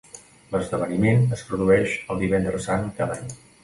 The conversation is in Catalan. L"esdeveniment es produeix el Divendres Sant cada any.